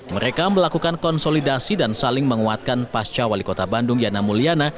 mereka melakukan konsolidasi dan saling menguatkan pasca wali kota bandung yana mulyana